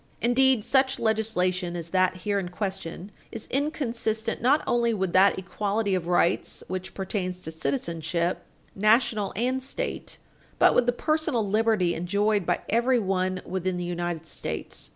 Indeed, such legislation as that here in question is inconsistent not only with that equality of rights which pertains to citizenship, National and State, but with the personal liberty enjoyed by everyone within the United States.